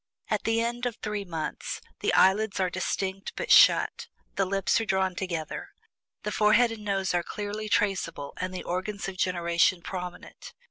At the end of THREE MONTHS, the eyelids are distinct but shut; the lips are drawn together; the forehead and nose are clearly traceable, and the organs of generation prominent.